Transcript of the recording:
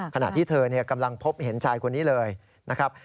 ขณะที่เธอกำลังพบเห็นชายคนนี้เลยนะครับ